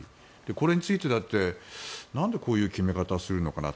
これについてだって、なんでこういう決め方をするのかな。